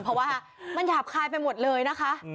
เพราะว่ามันหยาบคายไปหมดเลยนะคะ